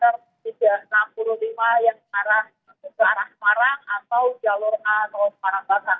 yang ke arah semarang atau jalur a atau ke arah barang